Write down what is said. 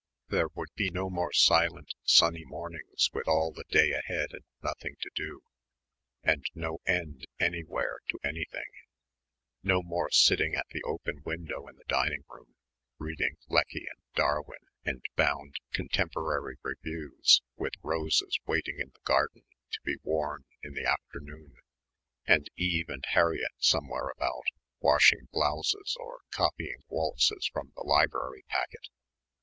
There would be no more silent sunny mornings with all the day ahead and nothing to do and no end anywhere to anything; no more sitting at the open window in the dining room, reading Lecky and Darwin and bound "Contemporary Reviews" with roses waiting in the garden to be worn in the afternoon, and Eve and Harriett somewhere about, washing blouses or copying waltzes from the library packet